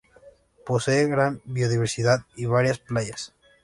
Posee gran biodiversidad y varias playas.